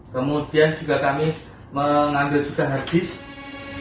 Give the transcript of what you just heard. kemudian juga kami mengambil juga hard disk